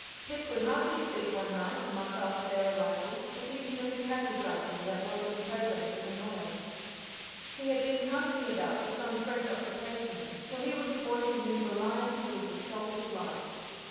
Pip could hardly sleep one night, a month after their arrival, for thinking of the cattle drafting that was on the programme for the morrow. He had been casting about for some fresh occupation, far he was a boy to whom variety was the salt of life.